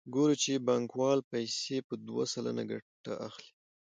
ګورو چې بانکوال پیسې په دوه سلنه ګټه اخلي